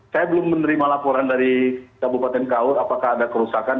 saya belum menerima laporan dari kabupaten kaur apakah ada kerusakan